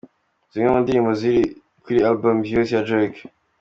Zimwe mu ndirimbo ziri kuri album "Views" ya Drake.